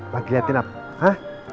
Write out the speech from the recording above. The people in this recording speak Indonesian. mau dilihatin apa